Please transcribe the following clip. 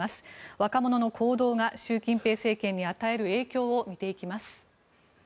若者の行動が習近平政権に与える影響を見ていきます。